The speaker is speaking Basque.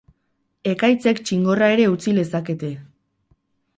Ekaitzek txingorra ere utzi lezakete.